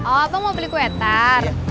oh apa mau beli kuetar